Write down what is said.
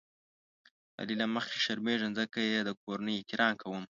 د علي له مخې شرمېږم ځکه یې د کورنۍ احترام کوم.